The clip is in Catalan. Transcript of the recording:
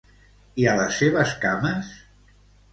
I a les seves cames?